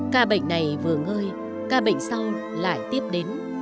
ca bệnh này vừa ngơi ca bệnh sau lại tiếp đến